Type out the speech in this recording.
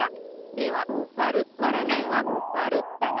ではわるわらないはわるだな。